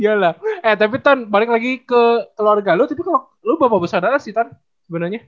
yelah eh tapi tan balik lagi ke keluarga lu itu lu bapak besar ada si tan sebenernya